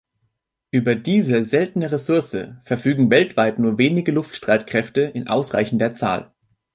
Über diese seltene Ressource verfügen weltweit nur wenige Luftstreitkräfte in ausreichender Zahl.